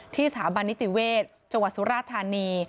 สถาบันนิติเวศจังหวัดสุราธานี